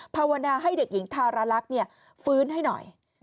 ภาวนาให้เด็กหญิงธารลักษณ์ฟื้นให้หน่อย